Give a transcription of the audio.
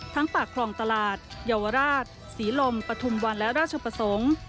ปากคลองตลาดเยาวราชศรีลมปฐุมวันและราชประสงค์